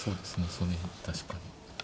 その辺確かに。